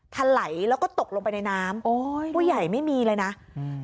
ถลายแล้วก็ตกลงไปในน้ำโอ้ยผู้ใหญ่ไม่มีเลยนะอืม